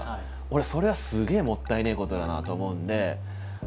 俺はそれはすげえもったいねえことだなと思うんで。